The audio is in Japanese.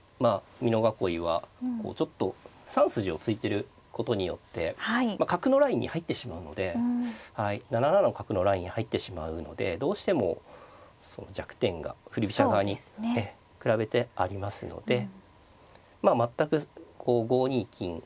美濃囲いはちょっと３筋を突いてることによって角のラインに入ってしまうので７七の角のラインに入ってしまうのでどうしても弱点が振り飛車側に比べてありますのでまあ全くこう５二金と上がれば。